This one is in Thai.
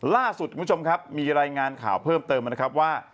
คุณผู้ชมครับมีรายงานข่าวเพิ่มเติมนะครับว่า